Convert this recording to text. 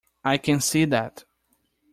I can see that.